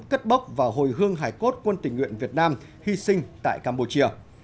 cất bốc và hồi hương hải cốt quân tỉnh nguyện việt nam hy sinh tại campuchia